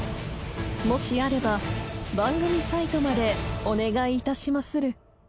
［もしあれば番組サイトまでお願いいたしまする］